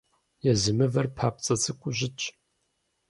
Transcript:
Езы мывэр папцӀэ цӀыкӀуу щытщ.